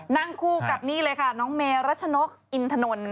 นั่งคู่กับนี่เลยค่ะน้องเมรัชนกอินทนนท์